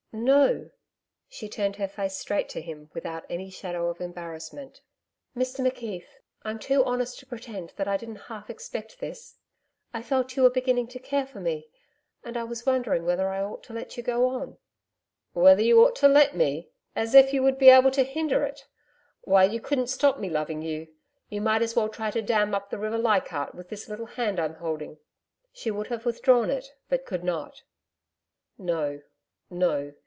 'No.' She turned her face straight to him without any shadow of embarrassment. 'Mr McKeith, I'm too honest to pretend that I didn't half expect this. I felt you were beginning to care for me, and I was wondering whether I ought to let you go on.' 'Whether you ought to let me! As if you would be able to hinder it! Why, you couldn't stop me loving you. You might as well try to dam up the river Leichardt with this little hand I'm holding.' She would have withdrawal it, but could not. 'No, no.